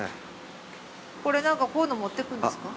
これ何かこういうの持ってくんですか？